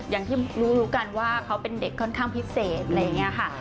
อย่างที่รู้กันว่าเขาเป็นเด็กค่อนข้างพิเศษอะไรอย่างนี้ค่ะ